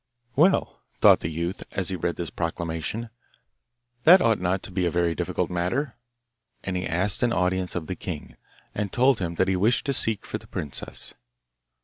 'Well,' thought the youth as he read this proclamation, 'that ought not to be a very difficult matter;' and he asked an audience of the king, and told him that he wished to seek for the princess.